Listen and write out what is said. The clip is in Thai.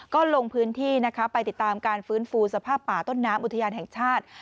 ก็ลงพื้นที่นะคะไปติดตามการฟื้นฟูสภาพป่าต้นน้ำอุทยานแห่งชาติ